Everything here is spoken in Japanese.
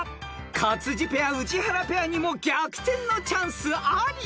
［勝地ペア宇治原ペアにも逆転のチャンスあり］